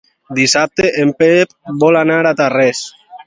Dissabte en Pep vol anar a Tarrés.